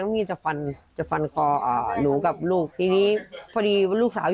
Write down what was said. ไม่น่าเชื่อนะคุณผู้ชม